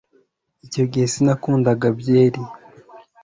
icyo gihe sinakundaga byeri